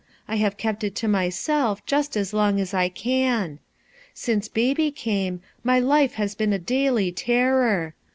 I have kept it to myself just as long as I can. Since Baby came, my life has been a daily terror.